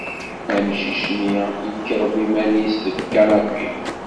Amcic-nni yekrem iman-is deg ukanapi.